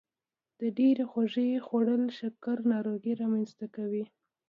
د ډیرې خوږې خوړل شکر ناروغي رامنځته کوي.